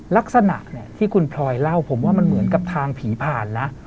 ลักษณะเนี่ยที่คุณพลอยเล่าผมว่ามันเหมือนกับทางผีผ่านนะ